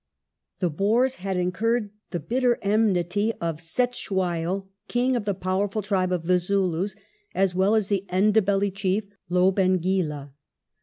The Boei s had incurred the bitter enmity of Cetewayo, King of the powerful tribe of the Zulus, as well as of the Matabele Chief, Lobengula.